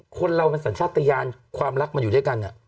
คนเรามันสัญชาติยานความรักมันอยู่ด้วยกัน